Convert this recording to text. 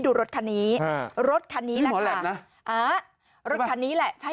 ดูรถคันนี้อ่ารถคันนี้นะคะอ่ารถคันนี้แหละใช่